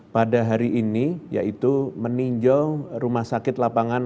pada hari ini yaitu meninjau rumah sakit lapangan